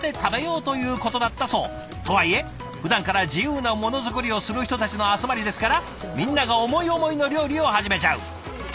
とはいえふだんから自由なものづくりをする人たちの集まりですからみんなが思い思いの料理を始めちゃう。